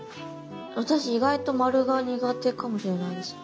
私意外と丸が苦手かもしれないです。